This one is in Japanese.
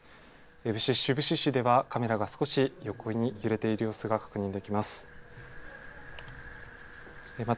志布志市では、カメラが少し横に揺れている様子が確認できます。